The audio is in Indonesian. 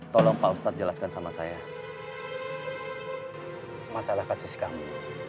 tolong kolom jelaskan sama saya masalah kasus kamu